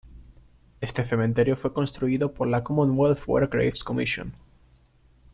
Este cementerio fue construido por la "Commonwealth War Graves Commission".